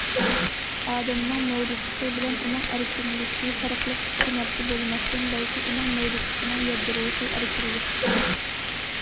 ئادەمنىڭ مەۋجۇتلۇقى بىلەن ئۇنىڭ ئەركىنلىكى پەرقلىق ئىككى نەرسە بولماستىن، بەلكى ئۇنىڭ مەۋجۇتلۇقىنىڭ يادروسى ئەركىنلىكتۇر.